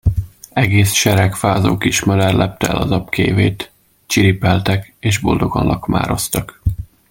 Egész sereg fázó kismadár lepte el a zabkévét, csiripeltek, és boldogan lakmároztak.